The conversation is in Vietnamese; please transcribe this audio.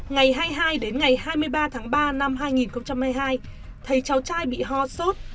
ngày hai mươi hai đến ngày hai mươi ba tháng ba năm hai nghìn hai mươi hai thấy cháu trai bị ho sốt